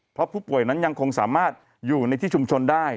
เพราะผู้ป่วยนั้นยังคงสามารถอยู่ในที่ชุมชนได้